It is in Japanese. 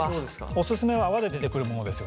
おすすめは泡で出てくるものですよね。